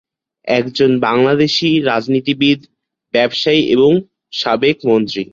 একজন বাংলাদেশি রাজনীতিবিদ, ব্যবসায়ী এবং সাবেক মন্ত্রী।